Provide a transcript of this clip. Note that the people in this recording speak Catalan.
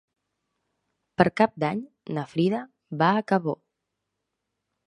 Per Cap d'Any na Frida va a Cabó.